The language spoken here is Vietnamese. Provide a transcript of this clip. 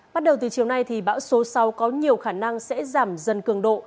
bắt đầu từ chiều nay thì bão số sáu có nhiều khả năng sẽ giảm dần cường độ